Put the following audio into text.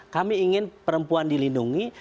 kami ingin perempuan dilindungi